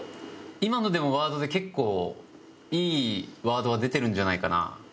今のでもワードで結構いいワードは出てるんじゃないかな？